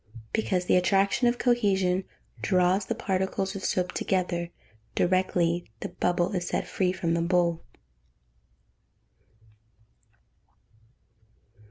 _ Because the attraction of cohesion draws the particles of soap together, directly the bubble is set free from the bowl.